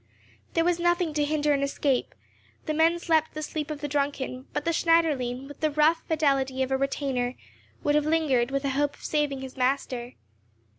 There was nothing to hinder an escape; the men slept the sleep of the drunken; but the Schneiderlein, with the rough fidelity of a retainer, would have lingered with a hope of saving his master.